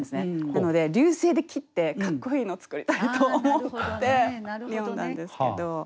なので流星で切ってかっこいいのを作りたいと思って詠んだんですけど。